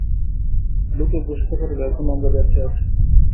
লোকে বুঝতে পারবে এখনো আমরা বেঁচে আছি।